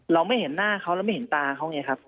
เราไม่เห็นหน้าเขาเราไม่เห็นตาเขาไงครับ